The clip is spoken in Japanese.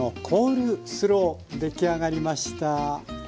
出来上がりました。